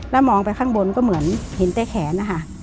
แล้วมองไปข้างบนก็เหมือนเห็นแต่แขนนะคะ